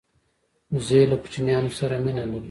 وزې له کوچنیانو سره مینه لري